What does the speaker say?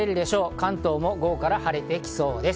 関東も午後から晴れてきそうです。